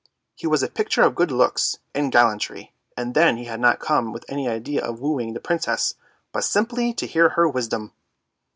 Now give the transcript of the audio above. He was a picture of good looks and gallantry, and then he had not come with any idea of wooing the Princess, but simply to hear her wisdom.